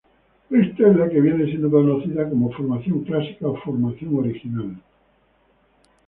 Ésta es la que viene siendo conocida como "formación clásica" o "formación original".